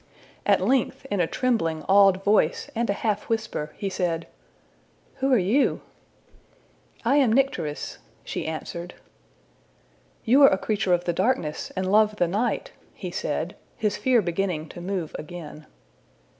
At length, in a trembling, awed voice, and a half whisper, he said, ``Who are you?'' ``I am Nycteris,'' she answered ``You are a creature of the darkness, and love the night,'' he said, his fear beginning to move again.